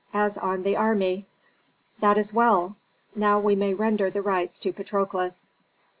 "As on the army." "That is well. Now we may render the rites to Patrokles."